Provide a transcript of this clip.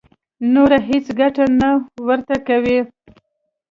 نوره هېڅ ګټه نه ورته کوي.